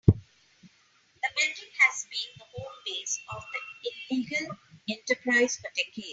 The building has been the home base of the illegal enterprise for decades.